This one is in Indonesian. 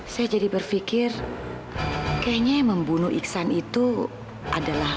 saya jadi berpikir kayaknya membunuh iksan itu adalah